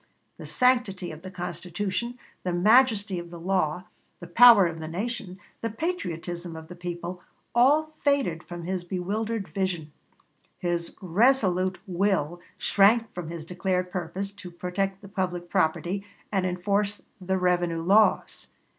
The sanctity of the Constitution, the majesty of the law, the power of the nation, the patriotism of the people, all faded from his bewildered vision; his irresolute will shrank from his declared purpose to protect the public property and enforce the revenue laws.